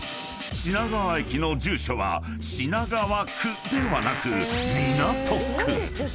品川駅の住所は品川区ではなく港区］